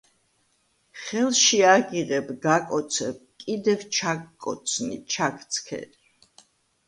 ხელში აგიღებ გაკოცებ კიდევ ჩაგკოცნი ჩაგცქერი...